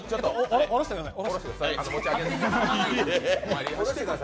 おろしてください。